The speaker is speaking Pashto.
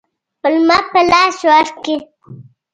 پلمه په لاس ورکړي.